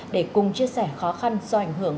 để cùng chia sẻ khó khăn so với ảnh hưởng